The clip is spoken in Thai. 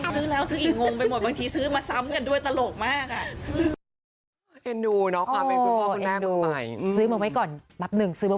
ซื้อแล้วซื้ออีกงงไปหมดบางทีซื้อมาซ้ำกันด้วยตลกมาก